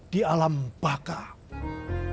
di alam bakar